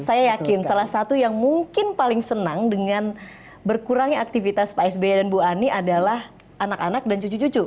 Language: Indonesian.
saya yakin salah satu yang mungkin paling senang dengan berkurangnya aktivitas pak sby dan bu ani adalah anak anak dan cucu cucu